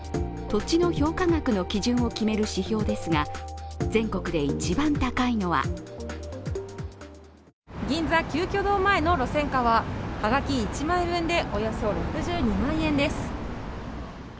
土地の評価額の基準を決める指標ですが全国で一番高いのは銀座・鳩居堂前の路線価は葉書１枚分でおよそ６２万円です。